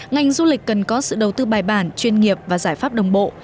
ngành du lịch cần có sự đầu tư bài bản chuyên nghiệp và giải pháp đồng bộ